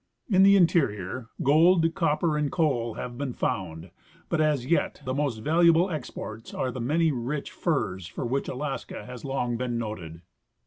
In the interior gold, copper and coal have been found, but as yet the most valuable exports are the many rich furs for which Alaska has long been noted.